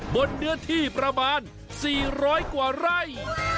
บนเนื้อที่ประมาณ๔๐๐กว่าไร่